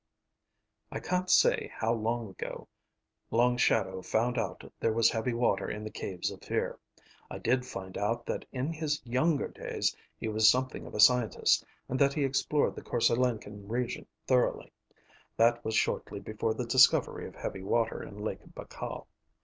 I can't say how long ago Long Shadow found out there was heavy water in the Caves of Fear. I did find out that in his younger days he was something of a scientist and that he explored the Korse Lenken region thoroughly. That was shortly before the discovery of heavy water in Lake Baikal.